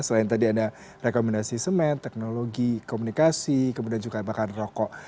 selain tadi ada rekomendasi semen teknologi komunikasi kemudian juga bahkan rokok